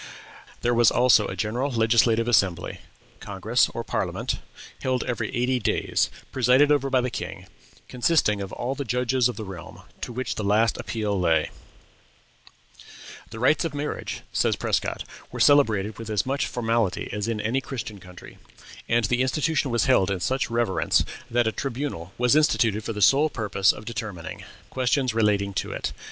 There was also a general legislative assembly, congress, or parliament, held every eighty days, presided over by the king, consisting of all the judges of the realm, to which the last appeal lay "The rites of marriage," says Prescott, "were celebrated with as much formality as in any Christian country; and the institution was held in such reverence that a tribunal was instituted for the sole purpose of determining questions relating to it.